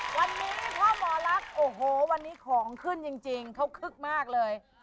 วันนี้พ่อหมอลักษณ์โอ้โหวันนี้ของขึ้นจริงเขาคึกมากเลย